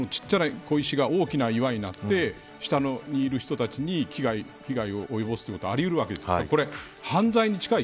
なぜかというと小さな小石が大きな岩になって下にいる人たちに被害を及ぼすことがありうるわけです。